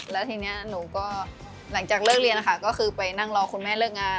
แล้วทีนี้หนูก็หลังจากเลิกเรียนนะคะก็คือไปนั่งรอคุณแม่เลิกงาน